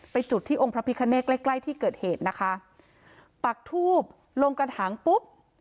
จุดที่องค์พระพิคเนตใกล้ใกล้ที่เกิดเหตุนะคะปักทูบลงกระถางปุ๊บ